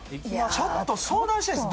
ちょっと相談したいです